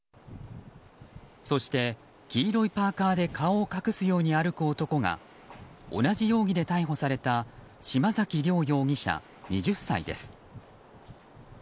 そして、黄色いパーカで顔を隠すように歩く男が同じ容疑で逮捕された島崎凌容疑者、２０歳です。